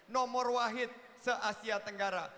nomor wahid se asia tenggara